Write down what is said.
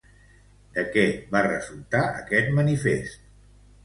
De què va resultar aquest manifest?